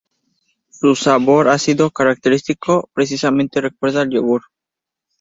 Su sabor ácido característico precisamente recuerda al yogur.